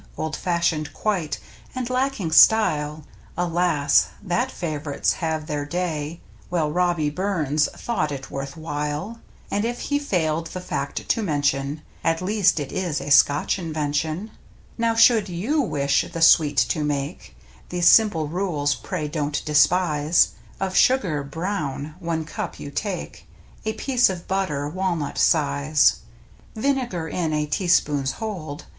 Old fashioned quite, and lacking style, Alas ! that f av'rites have their day — Well, Robbie Burns thought it worth while ! And if he failed the fact to mention, At least it is a Scotch invention. Now should you wish the sweet to make, These simple rules pray don't despise: Of sugar — brown — one cup you take, A piece of butter, walnut size, Vinegar in a teaspoon's hold.